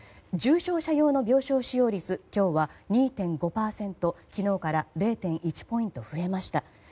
重症者用の病床使用率は２．５％で昨日から０．１ポイント増えました。